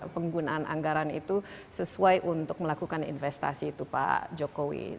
penggunaan anggaran itu sesuai untuk melakukan investasi itu pak jokowi